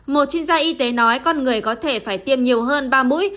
một chuyên gia y tế nói con người có thể phải tiêm nhiều hơn ba mũi